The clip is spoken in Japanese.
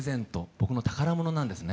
僕の宝物なんですね。